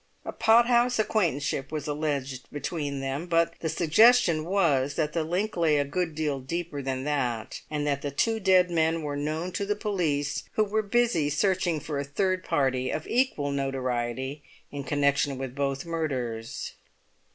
A pothouse acquaintanceship was alleged between them; but the suggestion was that the link lay a good deal deeper than that, and that the two dead men were known to the police, who were busy searching for a third party of equal notoriety in connection with both murders.